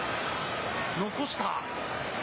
残した。